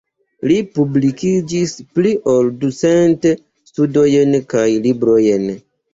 Li publikigis pli ol ducent studojn kaj librojn.